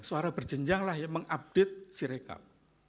suara berjenjang lah yang mengupdate sirikap